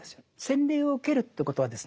洗礼を受けるということはですね